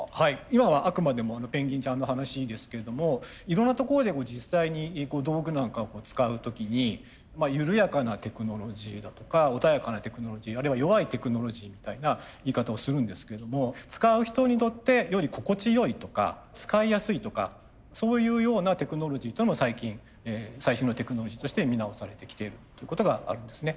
今はあくまでもペンギンちゃんの話ですけれどもいろんなところで実際に道具なんかを使う時に緩やかなテクノロジーだとか穏やかなテクノロジーあるいは弱いテクノロジーみたいな言い方をするんですけれども使う人にとってより心地よいとか使いやすいとかそういうようなテクノロジーとの最近最新のテクノロジーとして見直されてきているということがあるんですね。